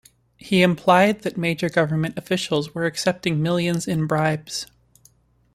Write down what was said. He implied that major government officials were accepting millions in bribes.